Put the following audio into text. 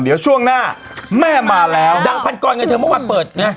เดี๋ยวช่วงหน้าแม่มาแล้วดังพันกรไงเธอเมื่อวานเปิดไง